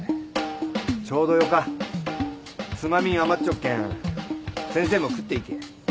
ちょうどよかつまみん余っちょっけん先生も食っていけ。